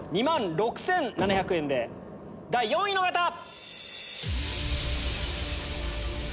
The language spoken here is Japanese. ２万６７００円で第４位の方！